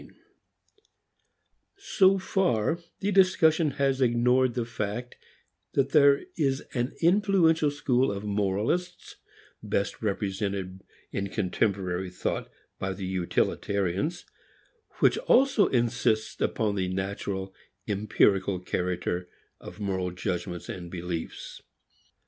III So far the discussion has ignored the fact that there is an influential school of moralists (best represented in contemporary thought by the utilitarians) which also insists upon the natural, empirical character of moral judgments and beliefs.